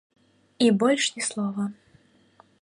І больш ні слова.